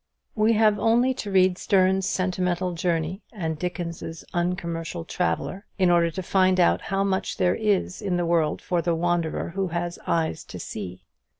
We have only to read Sterne's "Sentimental Journey" and Dickens's "Uncommercial Traveller," in order to find out how much there is in the world for the wanderer who has eyes to see.